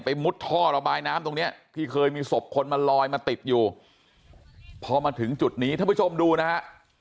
มุดท่อระบายน้ำตรงเนี้ยที่เคยมีศพคนมาลอยมาติดอยู่พอมาถึงจุดนี้ท่านผู้ชมดูนะฮะ